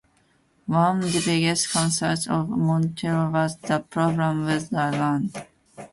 One of the biggest concerns of Montero was the problem with the land.